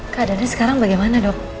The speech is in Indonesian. keadaannya sekarang bagaimana dok